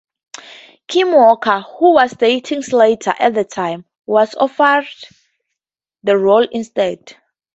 Kim Walker, who was dating Slater at the time, was offered the role instead.